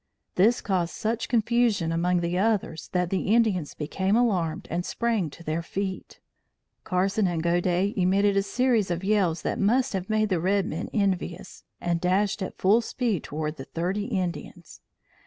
This caused such confusion among the others that the Indians became alarmed and sprang to their feet. Carson and Godey emitted a series of yells that must have made the red men envious, and dashed at full speed toward the thirty Indians.